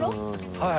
はい。